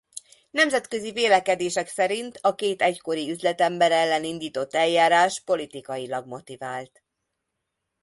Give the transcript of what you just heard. Nemzetközi vélekedések szerint a két egykori üzletember ellen indított eljárás politikailag motivált.